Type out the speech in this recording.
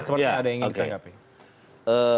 seperti ada yang ingin ditanggapi